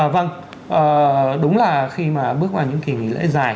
vâng đúng là khi mà bước vào những kỳ nghỉ lễ dài